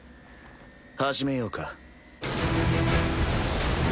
始めようか。